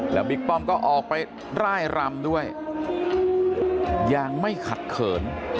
แล้วบิ๊กป้อมก็ออกไปร่ายรำด้วยยังไม่ขัดเขิน